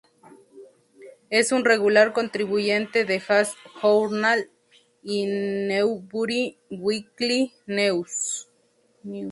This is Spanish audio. Es un regular contribuyente de "Jazz Journal" y "Newbury Weekly News".